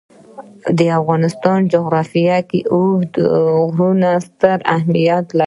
د افغانستان جغرافیه کې اوږده غرونه ستر اهمیت لري.